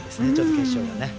決勝がね。